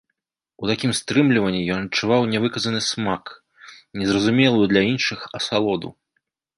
У такім стрымліванні ён адчуваў невыказны смак, незразумелую для іншых асалоду.